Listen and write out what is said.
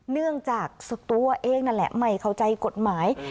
เนื่องจากตัวเองนั่นแหละไม่เข้าใจกฎหมาย